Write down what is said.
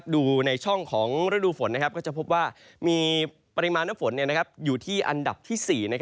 ดูในช่องของฤดูฝนก็จะพบว่ามีปริมาณน้ำฝนอยู่ที่อันดับที่๔